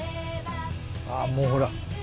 あぁもうほら。